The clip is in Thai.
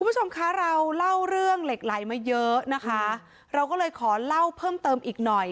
คุณผู้ชมคะเราเล่าเรื่องเหล็กไหลมาเยอะนะคะเราก็เลยขอเล่าเพิ่มเติมอีกหน่อย